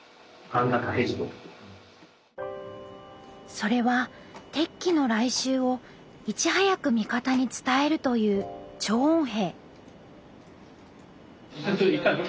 それは敵機の来襲をいち早く味方に伝えるという「聴音兵」。